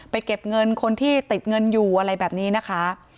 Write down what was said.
เก็บเงินคนที่ติดเงินอยู่อะไรแบบนี้นะคะ